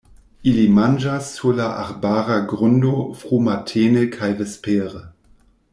Ili manĝas sur la arbara grundo frumatene kaj vespere.